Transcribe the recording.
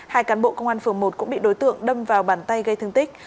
hai cán bộ công an phường một cũng bị đối tượng đâm vào bàn tay gây thương tích